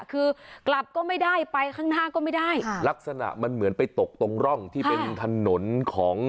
คือกลับก็ไม่ได้ไปข้างหน้าก็ไม่ได้ค่ะลักษณะมันเหมือนไปตกตรงร่องที่เป็นถนนของ